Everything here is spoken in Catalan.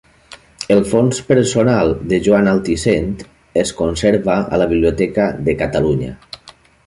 El fons personal de Joan Altisent es conserva a la Biblioteca de Catalunya.